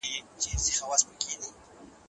دا شېبه مهمه ده.